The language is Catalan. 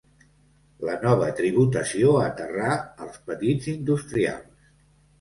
La nova tributació aterrà els petits industrials.